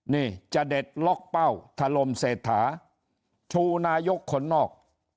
นี่จะเด็ดล็อกเป้าถล่มเศรษฐาชูนายกคนนอก